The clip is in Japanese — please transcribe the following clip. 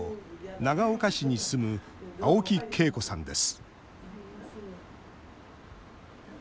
長岡市に住む青木桂子さんです